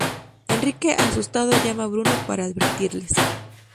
Enrique asustado llama a Bruno para advertirles.